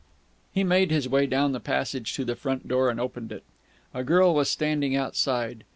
He made his way down the passage to the front door, and opened it. A girl was standing outside.